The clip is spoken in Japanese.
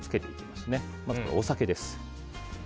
まず、お酒です。